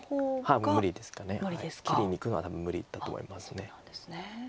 切りにいくのは多分無理だと思います。